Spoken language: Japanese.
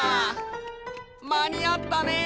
まにあったね。